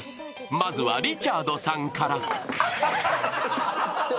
まずは、リチャードさんから。